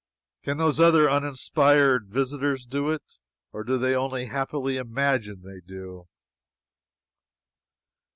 Can those other uninspired visitors do it, or do they only happily imagine they do?